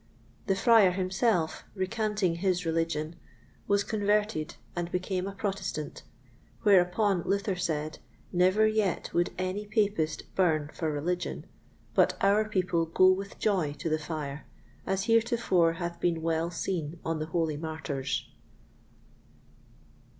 The Friar himself, recanting his religion, was converted and became a Protestant; whereupon Luther said, Never yet would any Papist burn for religion, but our people go with joy to the fire, as heretofore hath been well seen on the holy Martyrs.